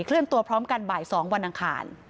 เลื่อนตัวพร้อมกันบ่าย๒วันอังคาร